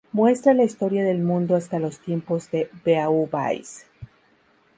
Muestra la historia del mundo hasta los tiempos de Beauvais.